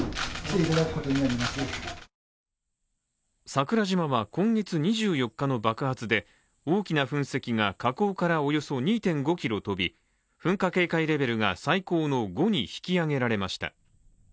桜島は今月２４日の爆発で、大きな噴石が火口からおよそ２．５キロ飛び、噴火警戒レベルが最高の５に引き上げられました。